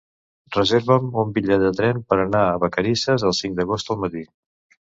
Reserva'm un bitllet de tren per anar a Vacarisses el cinc d'agost al matí.